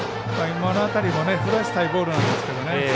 今の辺りも振らせたいボールなんですけどね